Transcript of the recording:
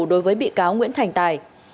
đối với bị cáo nguyễn thành tài